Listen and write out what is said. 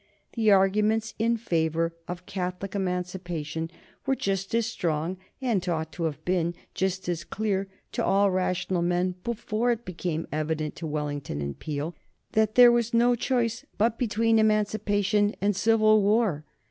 The arguments in favor of Catholic Emancipation were just as strong, and ought to have been just as clear, to all rational men before it became evident to Wellington and Peel that there was no choice but between emancipation and civil war.